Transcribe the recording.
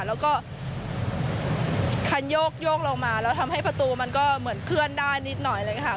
แล้วก็คันโยกลงมาแล้วทำให้ประตูมันก็เหมือนเคลื่อนได้นิดหน่อยอะไรอย่างนี้ค่ะ